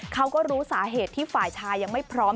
เขาก็รู้สาเหตุที่ฝ่ายชายยังไม่พร้อม